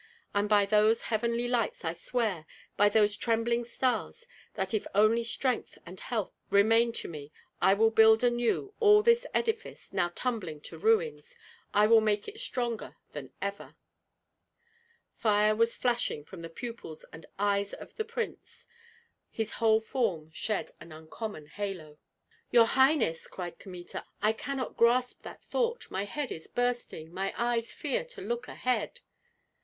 And by those heavenly lights I swear, by those trembling stars, that if only strength and health remain to me, I will build anew all this edifice, now tumbling to ruins; I will make it stronger than ever." Fire was flashing from the pupils and eyes of the prince; his whole form shed an uncommon halo. "Your highness," cried Kmita, "I cannot grasp that thought; my head is bursting, my eyes fear to look ahead."